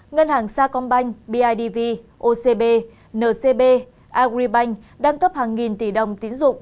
ngân hàng sacombank bidv ocb ncb agribank đang cấp hàng nghìn tỷ đồng tín dụng